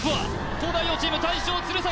東大王チーム大将・鶴崎